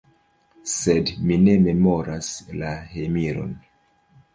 Sed mi ne memoras la hejmiron.